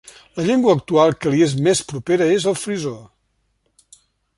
La llengua actual que li és més propera és el frisó.